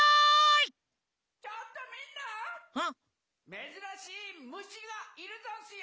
めずらしいむしがいるざんすよ！